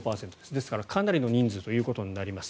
ですから、かなりの人数ということになります。